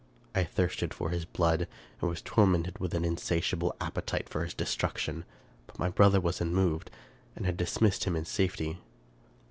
I thirsted for his blood, and was tormented with an insatiable appetite for his destruction ; but my brother was unmoved, and had dismissed him in safety.